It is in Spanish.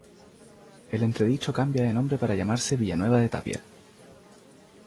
El Entredicho cambia de nombre para llamarse Villanueva de Tapia.